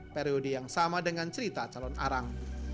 periode yang sama dengan cerita calon arang